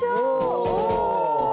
お！